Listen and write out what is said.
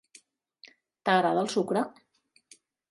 T'agrada el sucre?